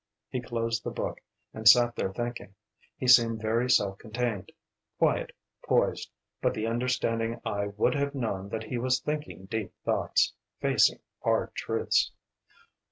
He closed the book, and sat there thinking. He seemed very self contained quiet, poised, but the understanding eye would have known that he was thinking deep thoughts, facing hard truths.